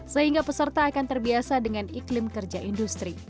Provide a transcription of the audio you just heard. sehingga peserta akan terbiasa dengan iklim kerja industri